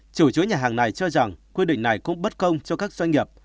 chủ chứa nhà hàng này cho rằng quy định này cũng bất công cho các doanh nghiệp